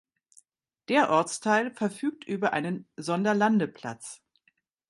Der Ortsteil verfügt über einen Sonderlandeplatz.